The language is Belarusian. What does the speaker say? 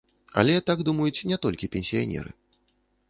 Але так думаюць не толькі пенсіянеры.